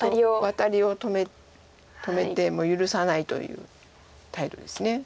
ワタリを止めてもう許さないという態度です。